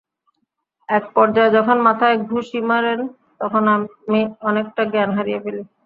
একপর্যায়ে যখন মাথায় ঘুষি মারেন তখন আমি অনেকটা জ্ঞান হারিয়ে ফেলি।